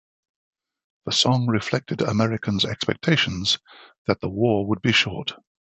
The song reflected Americans' expectations that the war would be short.